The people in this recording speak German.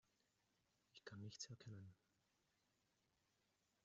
Ich kann nichts erkennen.